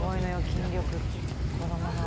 筋力子どもの。